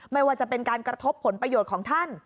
ไม่ว่าจะเป็นการกระทบผลประโยชน์ของท่าน